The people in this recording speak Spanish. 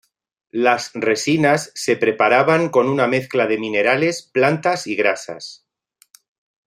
Las resinas se preparaban con una mezcla de minerales, plantas y grasas.